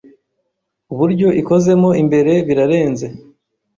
Uburyo ikozemo imbere birarenze